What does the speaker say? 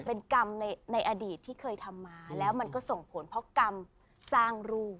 เป็นกรรมในอดีตที่เคยทำมาแล้วมันก็ส่งผลเพราะกรรมสร้างรูป